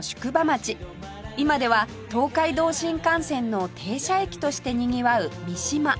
今では東海道新幹線の停車駅としてにぎわう三島